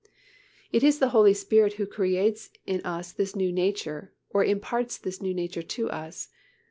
It is the Holy Spirit who creates in us this new nature, or imparts this new nature to us.